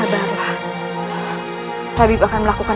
dan setelah itu keindahkan kami